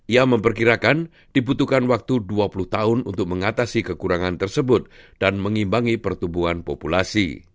ia memperkirakan dibutuhkan waktu dua puluh tahun untuk mengatasi kekurangan tersebut dan mengimbangi pertumbuhan populasi